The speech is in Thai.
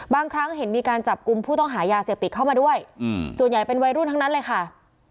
ครั้งเห็นมีการจับกลุ่มผู้ต้องหายาเสพติดเข้ามาด้วยส่วนใหญ่เป็นวัยรุ่นทั้งนั้นเลยค่ะ